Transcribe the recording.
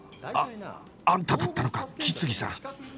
あっあんただったのか木次さん